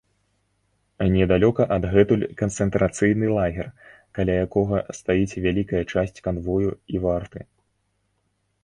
Недалёка адгэтуль канцэнтрацыйны лагер, каля якога стаіць вялікая часць канвою і варты.